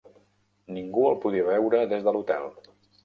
Ningú el podia veure des de l'hotel.